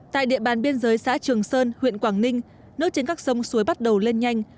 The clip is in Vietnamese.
tại địa bàn biên giới xã trường sơn huyện quảng ninh nước trên các sông suối bắt đầu lên nhanh